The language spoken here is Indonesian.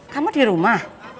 kamu di rumah